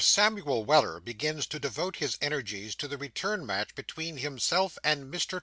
SAMUEL WELLER BEGINS TO DEVOTE HIS ENERGIES TO THE RETURN MATCH BETWEEN HIMSELF AND MR.